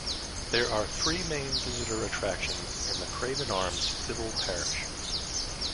There are three main visitor attractions in the Craven Arms civil parish.